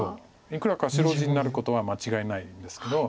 いくらか白地になることは間違いないんですけど。